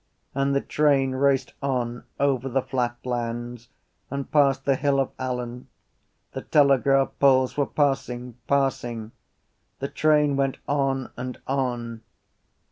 And the train raced on over the flat lands and past the Hill of Allen. The telegraph poles were passing, passing. The train went on and on.